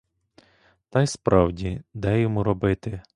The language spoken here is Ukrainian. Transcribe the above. Тай справді, де йому робити!